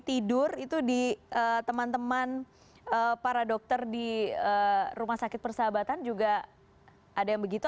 tidur itu di teman teman para dokter di rumah sakit persahabatan juga ada yang begitu